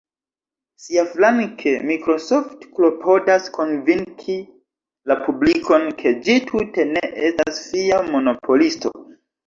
Siaflanke Microsoft klopodas konvinki la publikon, ke ĝi tute ne estas fia monopolisto.